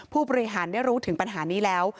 ผู้บริหารได้รู้ถึงปัญหานี้แล้ว